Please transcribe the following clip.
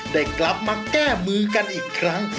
ได้กลับมาแก้มือกันอีกครั้ง